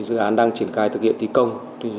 dự án đang triển khai thực hiện tí công